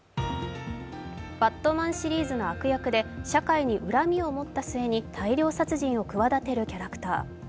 「バットマン」シリーズの悪役で社会に恨みを持った末に大量殺人を企てるキャラクター。